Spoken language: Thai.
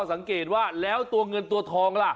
สังเกตว่าแล้วตัวเงินตัวทองล่ะ